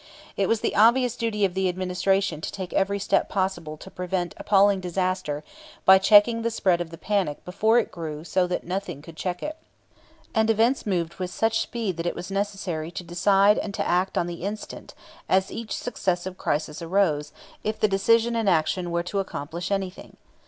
It was the obvious duty of the Administration to take every step possible to prevent appalling disaster by checking the spread of the panic before it grew so that nothing could check it. And events moved with such speed that it was necessary to decide and to act on the instant, as each successive crisis arose, if the decision and action were to accomplish anything.